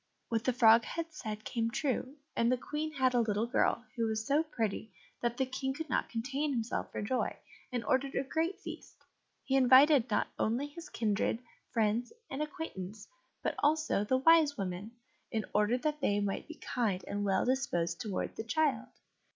What the frog had said came true, and the Queen had a little girl who was so pretty that the King could not contain himself for joy, and ordered a great feast. He invited not only his kindred, friends and acquaintance, but also the Wise Women, in order that they might be kind and well disposed towards the child.